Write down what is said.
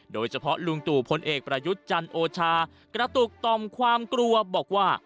โดยเฉพาะลุงตู่พลเอกประยุทธ์จันโอชากระตุกต่อมความกลัวบอกว่า